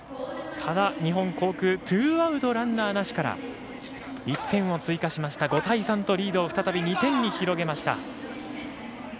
ただ、日本航空ツーアウト、ランナーなしから１点を追加しました、５対３とリードを再び２点に広げました。